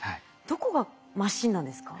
どこがマシンなんですか？